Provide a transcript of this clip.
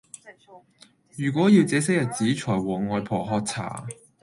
如果要這些日子才和外婆喝茶